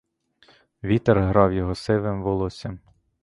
Вітер грав його сивим волоссям.